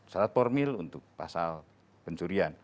syarat formil untuk pasal pencurian